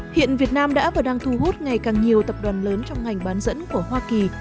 hiện việt nam đã và đang thu hút ngày càng nhiều tập đoàn lớn trong ngành bán dẫn của hoa kỳ